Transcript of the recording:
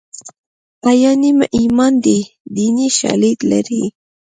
حیا نیم ایمان دی دیني شالید لري